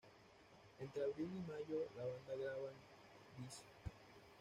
Entre abril y mayo la banda graba en Bs.